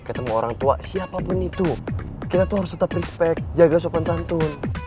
ketemu orang tua siapapun itu kita tuh harus tetap respect jaga sopan santun